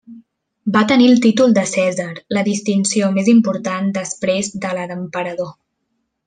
Va tenir el títol de cèsar, la distinció més important després de la d'emperador.